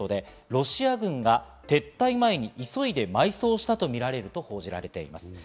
ロシア軍が撤退前に急いで埋葬したとみられると報じられています。